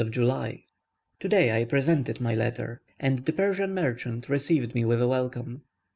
22nd July. Today I presented my letter, and the Persian merchant received me with a welcome.